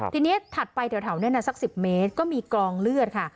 ทีนี้ถัดไปแถวนั้นสัก๑๐เมตรก็มีกองเลือดค่ะ